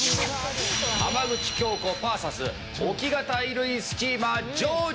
浜口京子ＶＳ置き型衣類スチーマージョージ。